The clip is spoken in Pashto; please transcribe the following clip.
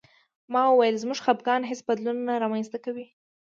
ما وویل زموږ خپګان هېڅ بدلون نه رامنځته کوي